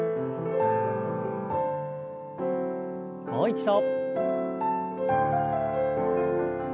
もう一度。